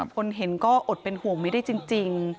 คนเห็นก็อดเป็นห่วงไม่ได้จริง